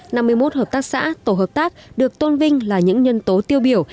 năm hai nghìn một mươi một hợp tác xã tổ hợp tác được tôn vinh là những nhân tố tiêu biểu